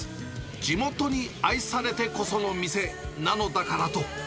地元に愛されてこその店なのだからと。